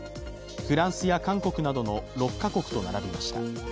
フランスや韓国などの６か国と並びました。